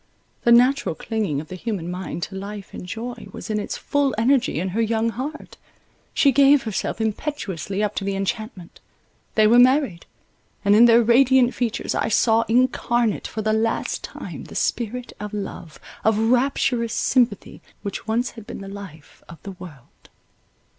The natural clinging of the human mind to life and joy was in its full energy in her young heart; she gave herself impetuously up to the enchantment: they were married; and in their radiant features I saw incarnate, for the last time, the spirit of love, of rapturous sympathy, which once had been the life of the world.